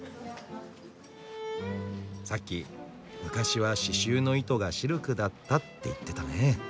さっき「昔は刺しゅうの糸がシルクだった」って言ってたね。